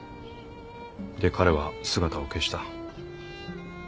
で彼は姿を消した。